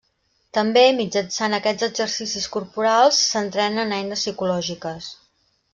També, mitjançant aquests exercicis corporals, s'entrenen eines psicològiques.